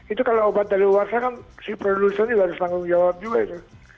itu kalau obat dari luar sana si produsernya harus tanggung jawab juga itu